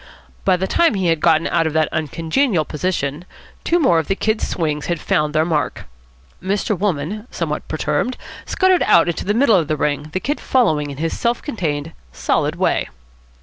By the time he had got out of that uncongenial position, two more of the Kid's swings had found their mark. Mr. Wolmann, somewhat perturbed, scuttered out into the middle of the ring, the Kid following in his self contained, solid way.